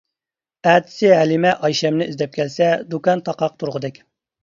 ئەتىسى ھەلىمە ئايشەمنى ئىزدەپ كەلسە، دۇكان تاقاق تۇرغۇدەك.